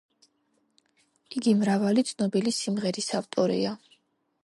იგი მრავალი ცნობილი სიმღერის ავტორია.